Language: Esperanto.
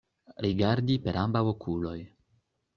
Rigardi per ambaŭ okuloj.